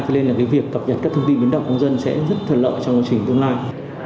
thế nên là việc cập nhật các thông tin biến động của dân sẽ rất thật lợi trong trình tương lai